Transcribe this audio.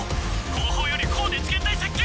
後方より高熱源体接近！